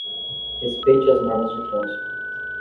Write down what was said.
Respeite as normas de trânsito.